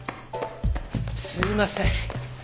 すいません。